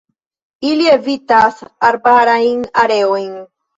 Ili evitas arbarajn areojn.